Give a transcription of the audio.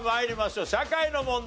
社会の問題。